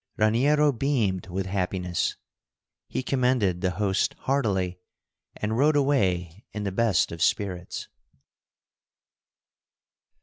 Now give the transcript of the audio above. Raniero beamed with happiness. He commended the host heartily, and rode away in the best of spirits.